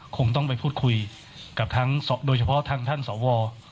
คงต้องไปพูดคุยกับโดยเฉพาะท่านสว